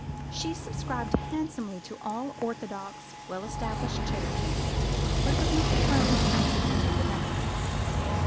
She subscribed handsomely to all orthodox well established charities, but was not prone to accidental benevolence.